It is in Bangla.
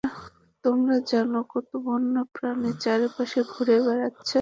তোমরা জানো কত বন্য প্রাণী চারপাশে ঘুরে বেড়াচ্ছে?